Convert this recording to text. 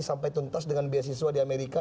sampai tuntas dengan beasiswa di amerika